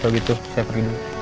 kalau gitu saya pergi dulu